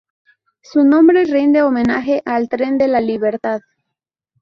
Su nombre rinde homenaje al Tren de la Libertad.